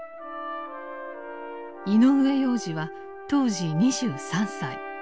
井上洋治は当時２３歳。